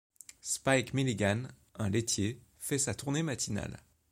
Spike Milligan, un laitier, fait sa tournée matinale.